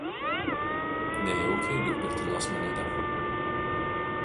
nejaukiai lyg per tylos minutę